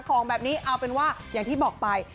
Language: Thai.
ของแบบนี้เอาเป็นว่าอย่างที่บอกไป